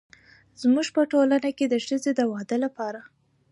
زموږ په ټولنه کې د ښځې د واده لپاره